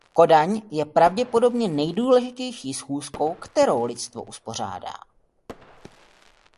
Kodaň je pravděpodobně nejdůležitější schůzkou, kterou lidstvo uspořádá..